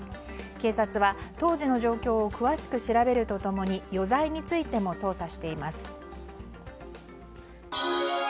警察は当時の状況を詳しく調べると共に余罪についても捜査しています。